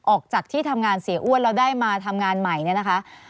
ออกจากที่ทำงานเสียอ้วนแล้วได้มาทำงานใหม่เนี่ยนะคะ